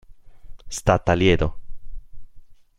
Sta a Taliedo.